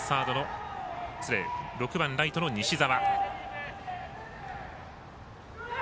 ６番、ライトの西澤。